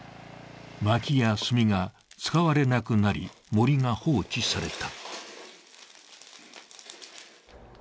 まきや炭が使われなくなり森が放置された。